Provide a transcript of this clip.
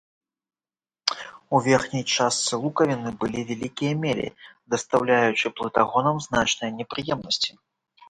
У верхняй частцы лукавіны былі вялікія мелі, дастаўляючы плытагонам значныя непрыемнасці.